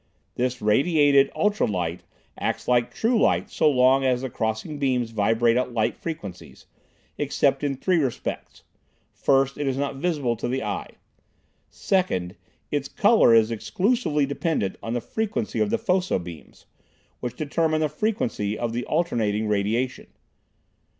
This radiated ultralight acts like true light so long as the crossing beams vibrate at light frequencies, except in three respects: first, it is not visible to the eye; second, its "color" is exclusively dependent on the frequency of the foco beams, which determine the frequency of the alternating radiation.